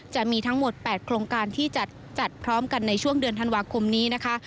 จะมีทั้งหมด๘โครงการที่จัดพร้อมกันในช่วงเดือนธันวาคมนี้นะคะ